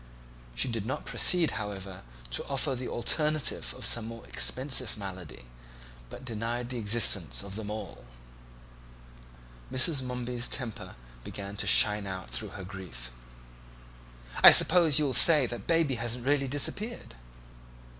She did not proceed, however, to offer the alternative of some more expensive malady, but denied the existence of them all. Mrs. Momeby's temper began to shine out through her grief. "I suppose you'll say next that Baby hasn't really disappeared."